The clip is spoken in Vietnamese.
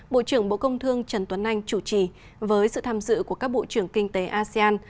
bộ trưởng bộ công thương trần tuấn anh chủ trì với sự tham dự của các bộ trưởng kinh tế asean